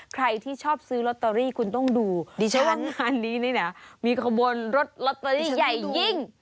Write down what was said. ใครที่ชอบซื้อลอตเตอรี่คุณต้องดูดิฉันว่างานนี้นี่นะมีขบวนรถลอตเตอรี่ใหญ่ยิ่ง